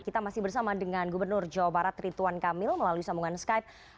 kita masih bersama dengan gubernur jawa barat rituan kamil melalui sambungan skype